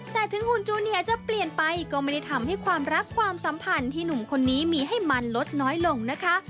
แต่ถึงหุ่นจูเนียจะเปลี่ยนไปก็ไม่ได้ทำให้ความรักความสัมพันธ์ที่หนุ่มคนนี้มีให้มันลดน้อยลงนะคะ